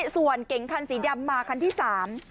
ส่วนเก๋งคันสีดำมาคันที่สาม